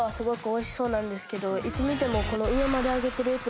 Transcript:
いつ見てもこの。